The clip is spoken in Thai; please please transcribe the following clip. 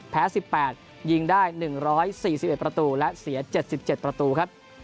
แพ้๑๘ยิงได้๑๔๑ประตูและเสีย๗๗ประตูครับ